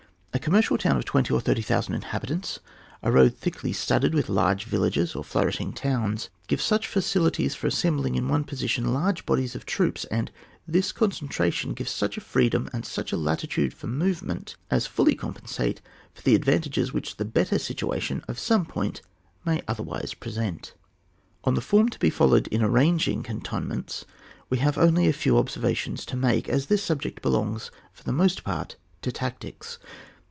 A commercial town of twenty or thirty thousand inhabitants, a road thickly studded with large villages or flourishing towns give such facilities for the assem bling in one position large bodies of troops, and this concentration gives such a freedom and such a latitude for move ment as fully compensate for the advan tages which the better situation of some point may otherwise present. On the form to be followed in arrang ing cantonments we have only a few ob servations to make, as this subject belongs for the most part to tactics.